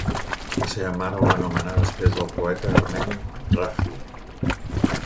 La seva mare el va nomenar després del poeta armeni Raffi.